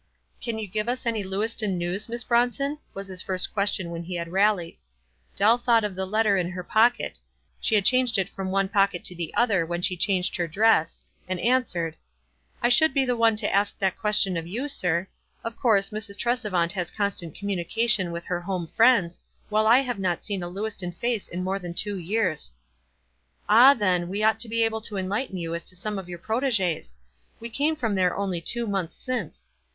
"Can you give us any Lewiston news, Miss Bronson?" was his first question when he had rallied. Dell thoughteof the letter in her pock et — she had changed it from one pocket to the other when she changed her dress, — and an swered, —" I should be the one to ask that question of you, sir. Of course Mrs. Tresevant has con stant communication with her home friends, while I have not seen a Lewiston face in more than two years." "Ah, then, we ought to be able to enlighten you as to some of your proteges. We came from there only two months since.